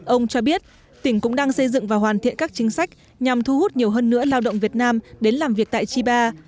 ông cho biết tỉnh cũng đang xây dựng và hoàn thiện các chính sách nhằm thu hút nhiều hơn nữa lao động việt nam đến làm việc tại chiba